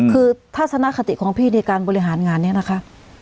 คือทัศนคติของพี่ในการบริหารงานนี้นะคะ